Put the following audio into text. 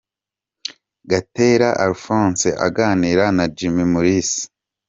Gatera Alphonse aganira na Jimmy Mulisa.